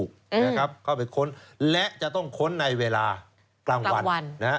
เข้าไปค้นและจะต้องค้นในเวลากลางวัน